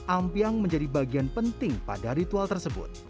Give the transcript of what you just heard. ampiang menjadi bagian penting pada ritual tersebut